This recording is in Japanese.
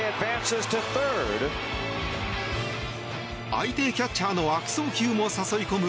相手キャッチャーの悪送球も誘い込む